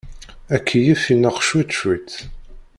Akeyyef ineqq cwiṭ cwiṭ.